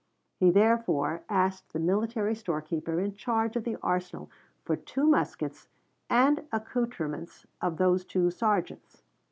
He therefore asked the military storekeeper in charge of the arsenal for two muskets and accouterments for those two sergeants.